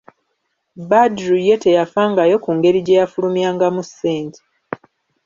Badru ye teyafangayo ku ngeri gye yafulumyangamu ssente.